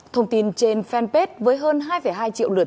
thông tin trên fanpage với hơn hai hai triệu lượt